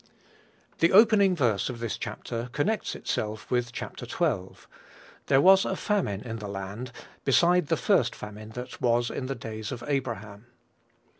The opening verse of this chapter connects itself with Chap. xii. "There was a famine in the land, beside the first famine that was in the days of Abraham."